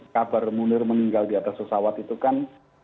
kabar munir meninggal di atas pesawat itu kan